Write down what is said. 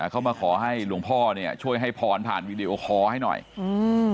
เขามาขอให้หลวงพ่อเนี่ยช่วยให้พรผ่านวีดีโอคอร์ให้หน่อยอืม